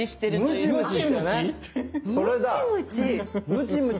ムチムチ？